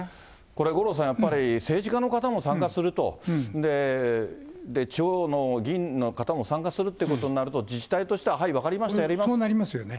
これ、五郎さん、やっぱり政治家の方も参加すると、地方の議員の方も参加するっていうことになると、自治体としては、はい、分かりました、そうなりますよね。